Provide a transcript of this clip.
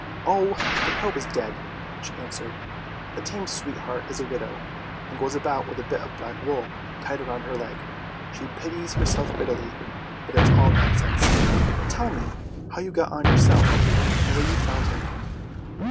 " Oh, the crow is dead! " she answered. " The tame sweet heart is a widow, and goes about with a bit of black wool tied round her leg. She pities herself bitterly, but it's all nonsense! But tell me how you got on yourself, and where you found him."